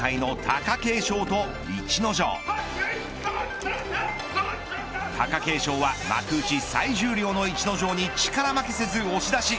貴景勝は幕内最重量の逸ノ城に力負けせず押し出し。